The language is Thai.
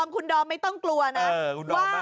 คุณดอมไม่ต้องกลัวนะว่า